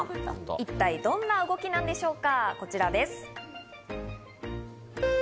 一体どんな動きなんでしょうか。